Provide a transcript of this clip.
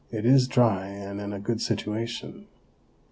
It is dry and in a good situation.